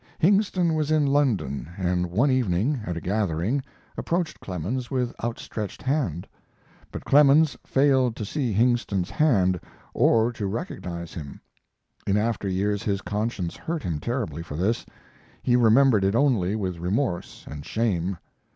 Hingston was in London, and one evening, at a gathering, approached Clemens with outstretched hand. But Clemens failed to see Hingston's hand or to recognize him. In after years his conscience hurt him terribly for this. He remembered it only with remorse and shame.